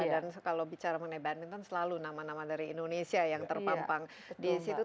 dan kalau bicara badminton selalu nama nama dari indonesia yang terpampang di situ